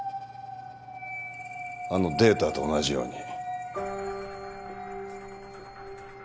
あのデータと同じように。